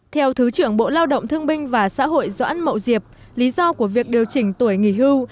theo thứ trưởng bộ lao động thương binh và xã hội doãn mậu diệp lý do của việc điều chỉnh tuổi nghỉ hưu